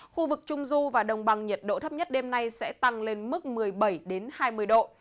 khu vực trung du và đồng bằng nhiệt độ thấp nhất đêm nay sẽ tăng lên mức một mươi bảy hai mươi độ